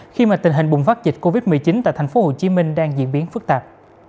khi mà tình hình bùng phát dịch covid một mươi chín tại tp hcm đang diễn biến phức tạp